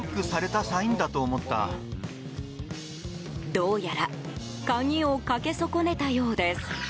どうやら鍵をかけ損ねたようです。